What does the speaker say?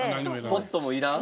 ポットもいらん？